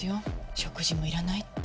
食事もいらないって。